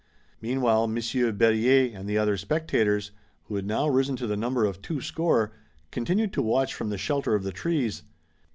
Meanwhile Monsieur Berryer and the other spectators, who had now risen to the number of two score, continued to watch from the shelter of the trees.